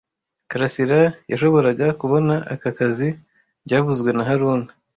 Karasira yashoboraga kubona aka kazi byavuzwe na haruna